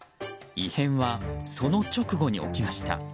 異変はその直後に起きました。